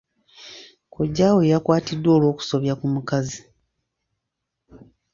Kojjaawe yakwatiddwa olw'okusobya ku mukazi.